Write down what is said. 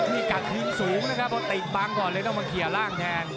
นี่กะทิ้งสูงติดบางก่อนเรียกมังเขียวร่างแทน